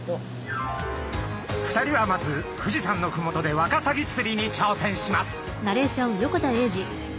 ２人はまず富士山のふもとでワカサギ釣りに挑戦します。